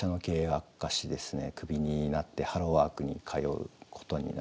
クビになってハローワークに通うことになりました。